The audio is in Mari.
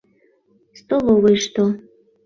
— Столовыйышто.